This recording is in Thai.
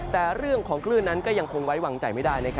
แต่เรื่องของคลื่นนั้นก็ยังคงไว้วางใจไม่ได้